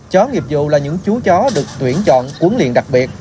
chó nghiệp vụ là những chú chó được tuyển chọn cuốn liện đặc biệt